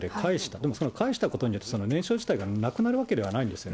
でもその返したこと自体によって、その念書自体がなくなるわけではないんですよね。